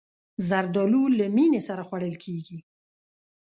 زردالو له مینې سره خوړل کېږي.